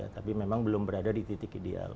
tapi memang belum berada di titik ideal